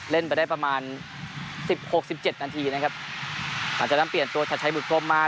เล่นไปได้ประมาณสิบหกสิบเจ็ดนาทีนะครับหลังจากนั้นเปลี่ยนตัวชัดชัยบุตรพรมมา